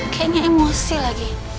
kayaknya emosi lagi